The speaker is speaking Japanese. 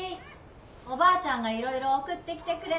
おばあちゃんがいろいろ送ってきてくれたよ。